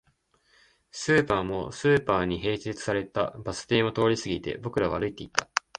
スーパーも、スーパーに併設されたバス停も通り過ぎて、僕らは歩いていった